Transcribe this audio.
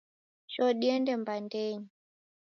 Choo diende mbandenyi.